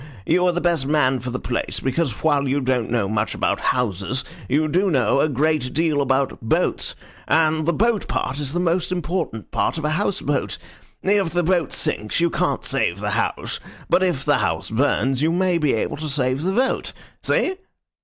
You are the best man for the place, because, while you don't know much about houses, you do know a great deal about boats, and the boat part is the most important part of a house boat. If the boat sinks, you can't save the house; but if the house burns, you may be able to save the boat. See?"